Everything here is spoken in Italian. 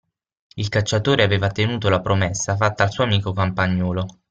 Il cacciatore aveva tenuto la promessa fatta al suo amico campagnolo.